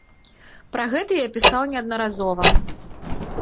Пра гэта я пісаў неаднаразова.